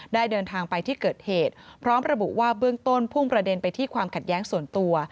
เดินทางไปที่เกิดเหตุพร้อมระบุว่าเบื้องต้นพุ่งประเด็นไปที่ความขัดแย้งส่วนตัว